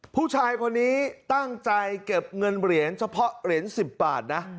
ผู้ชายคนนี้ตั้งใจเก็บเงินเหรียญเฉพาะเหรียญ๑๐บาทนะ